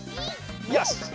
よし！